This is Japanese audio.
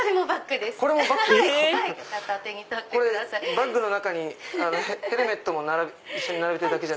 バッグの中にヘルメットも一緒に並べてるだけじゃなくて。